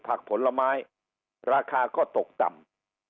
ผลไม้ราคาก็ตกต่ำ